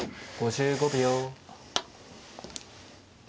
５５秒。